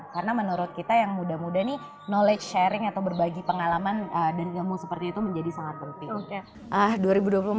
karena menurut kita yang muda muda nih knowledge sharing atau berbagi pengalaman dan ilmu seperti itu menjadi sangat penting